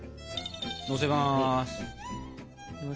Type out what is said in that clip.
のせます。